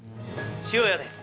塩屋です